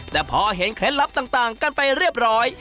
แต่พอเห็นเคล็ดลับต่างกันไปเรียบร้อย